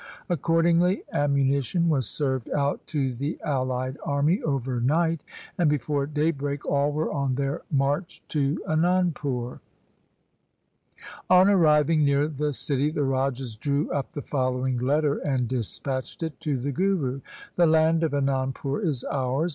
Accordingly ammuni tion was served out to the allied army over night, and before daybreak all were on their march to Anandpur. On arriving near the city the rajas drew up the following letter and dispatched it to the Guru :' The land of Anandpur is ours.